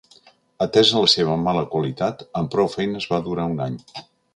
Atesa la seva mala qualitat, amb prou feines va durar un any.